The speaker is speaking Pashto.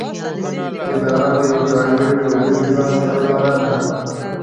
اداره له یوه ځانګړي ټولنیز نظام څخه عبارت ده.